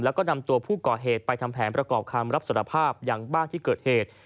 แล้วก็นำตัวผู้ก่อเหตุไปทำแผนประกอบคำรับสารภาพอย่างบ้านที่เกิดเหตุ